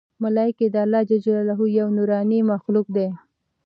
ملایکې د الله ج یو نورانې مخلوق دی